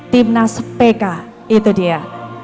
timnas speka itu dia